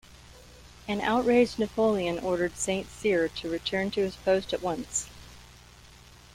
An outraged Napoleon ordered Saint Cyr to return to his post at once.